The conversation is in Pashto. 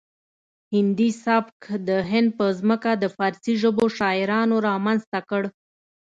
هندي سبک د هند په ځمکه د فارسي ژبو شاعرانو رامنځته کړ